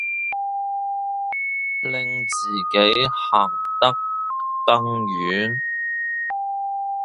令自己行得更遠